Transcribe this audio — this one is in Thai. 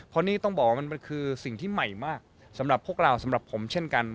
เพราะนี่ต้องบอกว่ามันคือสิ่งที่ใหม่มากสำหรับพวกเราสำหรับผมเช่นกัน